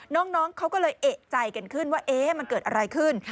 น้องเขาก็เลยเอกใจกันขึ้นว่ามันเกิดอะไรขึ้น